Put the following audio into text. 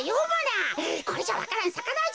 これじゃあわか蘭さかないじゃないか。